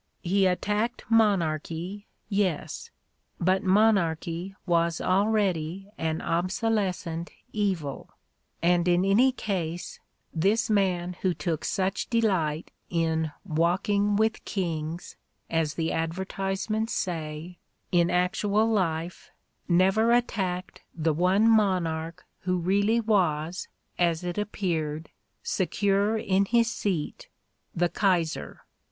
He attacked monarchy, yes; but monarchy was already an obsolescent evil, and in any case this man who took such delight in "walking with kings," as the advertise ments say, in actual life, never attacked the one monarch who really was, as it appeared, secure in his seat, the Kaiser.